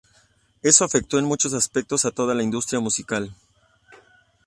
Esto afectó en muchos aspectos a toda la industria musical.